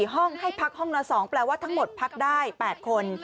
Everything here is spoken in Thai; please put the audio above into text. ห้องให้พักห้องละ๒แปลว่าทั้งหมดพักได้๘คน